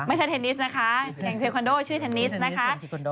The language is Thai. ไม่ใช่เทนนิสนะคะแข่งเทควันโดชื่อเทนนิสนะคะ